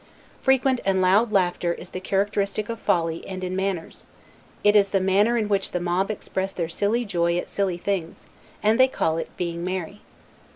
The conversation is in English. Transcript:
Frequent and loud laughter is the characteristic of folly and in manners; it is the manner in which the mob express their silly joy at silly things; and they call it being merry.